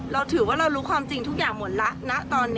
เราถือว่าเรารู้ความจริงทุกอย่างหมดแล้วนะตอนนี้